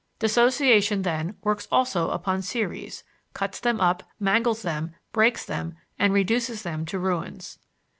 Dissociation, then, works also upon series, cuts them up, mangles them, breaks them, and reduces them to ruins.